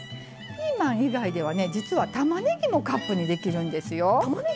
ピーマン以外では実は、たまねぎもカップにできるんですよ。